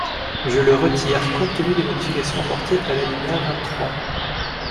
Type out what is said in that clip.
Je le retire, compte tenu des modifications apportées à l’alinéa vingt-trois.